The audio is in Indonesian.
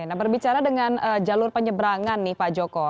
nah berbicara dengan jalur penyebrangan nih pak joko